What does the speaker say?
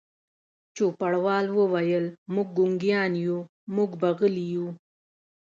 چوپړوال وویل: موږ ګونګیان یو، موږ به غلي وو.